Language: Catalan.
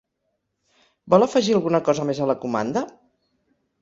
Vol afegir alguna cosa més a la comanda?